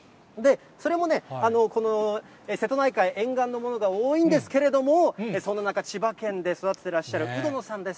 それも、この瀬戸内海沿岸のものが多いんですけれども、そんな中、千葉県で育ててらっしゃる鵜殿さんです。